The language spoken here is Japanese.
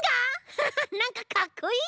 ハハッなんかかっこいい！